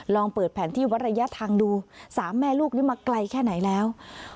ลองเปิดแผนที่วัดระยะทางดู๓แม่ลูกนี้มาไกลแค่ไหนแล้ว